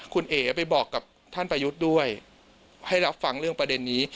คุณเอ๋ไปบอกกับท่านประยุทธ์ด้วยให้รับฟังเรื่องประเด็นนี้